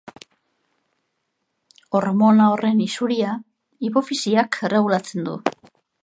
Hormona horren isuria hipofisiak erregulatzen du.